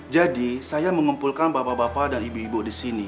jadi saya mengumpulkan bapak bapak dan ibu ibu di sini